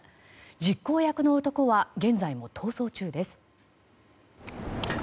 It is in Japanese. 実行役の男は現在も逃走中です。